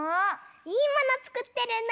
いいものつくってるの！